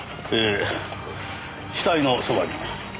え死体のそばに。